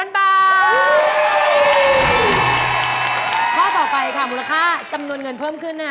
ข้อต่อไปค่ะมูลค่าจำนวนเงินเพิ่มขึ้น